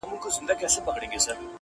هغه پاڅي تشوي به کوثرونه٫